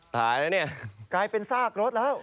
ตายแล้วเนี่ยกลายเป็นซากรถแล้ว